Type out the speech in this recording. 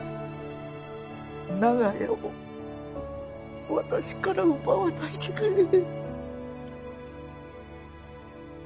長屋を私から奪わないでくれ。